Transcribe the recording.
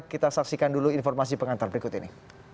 kita saksikan dulu informasi pengantar berikut ini